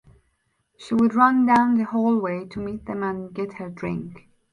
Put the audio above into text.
She would run down the hallway to meet them and get her drink.